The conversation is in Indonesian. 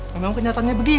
memang kenyataannya begitu